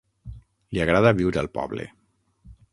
Li agrada viure al poble.